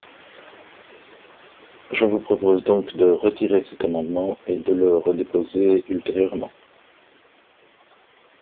Je vous propose donc de retirer cet amendement et de le redéposer ultérieurement.